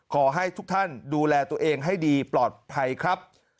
ขอให้ทุกท่านดูแลตัวเองให้ดีปลอดภัยครับ